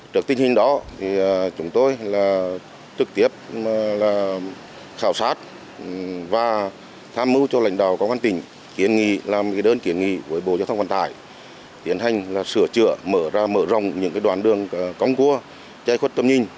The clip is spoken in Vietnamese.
trước tình hình đó chúng tôi thực tiếp khảo sát và tham mưu cho lãnh đạo công an tỉnh làm đơn kiện nghị với bộ giao thông văn tải tiến hành sửa chữa mở rộng những đoạn đường công cua chai khuất tâm nhìn